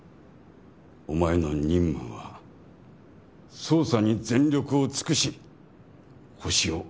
お前の任務は捜査に全力を尽くしホシを挙げる事だ。